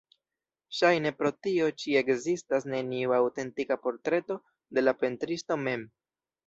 Ŝajne pro tio ĉi ekzistas neniu aŭtentika portreto de la pentristo mem.